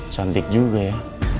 cantik juga ya